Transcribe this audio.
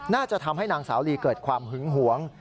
น่าจะทำให้นางสาวลีเกิดความหึงหวง